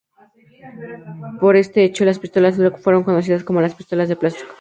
Por este hecho, las pistolas Glock fueron conocidas como las "pistolas de plástico".